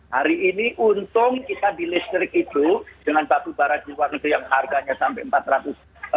hari ini untung kita di listrik itu dengan batu barat yang harganya sampai empat ratus